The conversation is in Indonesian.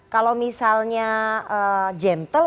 kalau misalnya gentle